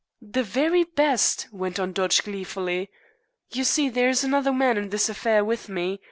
"The very best!" went on Dodge gleefully. "You see, there is another man in this affair with me.